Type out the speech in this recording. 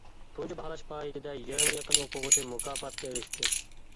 تۇنجى باھالاش پائالىيىتىدە يېرىمغا يېقىن ئوقۇغۇچى مۇكاپاتقا ئېرىشكەن.